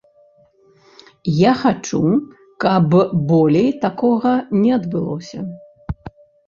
Я хачу, каб болей такога не адбылося.